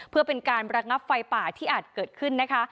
เพื่อเป็นการระงับไฟป่าที่อาจเกิดขึ้นนะคะ